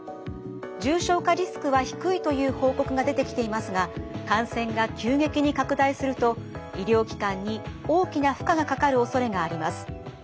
重症化リスクは低いという報告が出てきていますが感染が急激に拡大すると医療機関に大きな負荷がかかるおそれがあります。